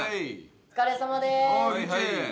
お疲れさまです。